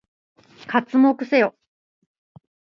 刮目せよ！